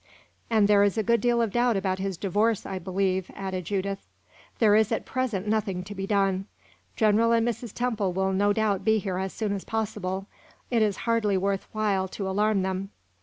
"And there is a good deal of doubt about his divorce, I believe," added Judith. "There is at present nothing to be done. General and Mrs. Temple will no doubt be here as soon as possible; it is hardly worth while to alarm them.